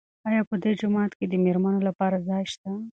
آیا په دې جومات کې د مېرمنو لپاره ځای شته؟